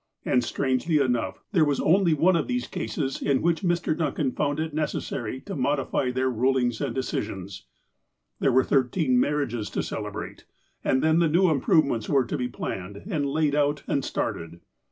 And, strangely enough, there was only one of these cases in which Mr. Duncan found it necessary to modify their rulings and decisions. There were thirteen marriages to celebrate. And then the new imjDrovements were to be planned, and laid out and started.